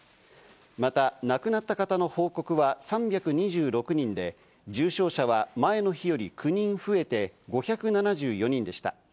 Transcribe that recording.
また、亡くなった方の報告は３２６人で、重症者は前の日より９人増えて５７４人でした。